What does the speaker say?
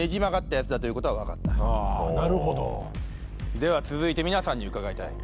では続いて皆さんに伺いたい。